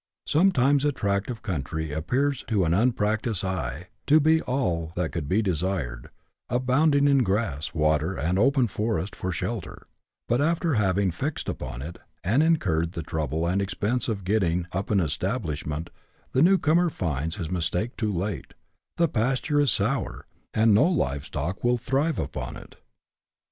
Sometimes a tract of country appears, to an unpractised eye, to be all that could be desired, abounding in grass, water, and "open forest" for shelter; but after having fixed upon it, and incurred the trouble and expense of getting up an establishment, the new comer finds his mistake too late ; the pasture is " sour," and no live stock will thrive upon it.